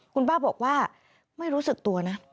คุณป้าบอกว่าไม่รู้สึกตัวนะ